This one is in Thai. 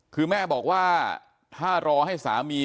คือแม่บอกว่าถ้ารอให้สามี